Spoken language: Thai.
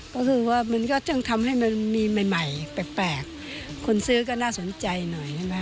ก็คือว่ามันก็จะทำให้มันมีใหม่แปลกคนซื้อก็น่าสนใจหน่อย